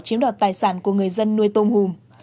chiếm đoạt tài sản của người dân nuôi tôm hùm